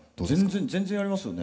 全然全然やりますよね。